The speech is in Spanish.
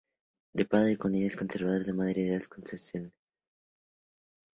De padre con ideas conservadoras y madre de ideales socialdemócratas.